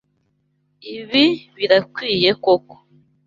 Ibi birakwiye koko?